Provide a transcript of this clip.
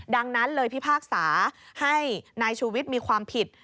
ดังนั้นเลยพิพากษาให้นายชูวิทย์มีความผิด